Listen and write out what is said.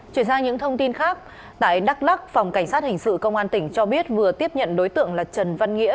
chuyển sang những thông tin khác tại đắk lắc phòng cảnh sát hình sự công an tỉnh cho biết vừa tiếp nhận đối tượng là trần văn nghĩa